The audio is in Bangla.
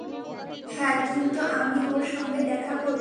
হ্যাঁ, কিন্তু আমি ওর সঙ্গে দেখা করব।